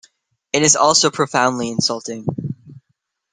It is also profoundly insulting.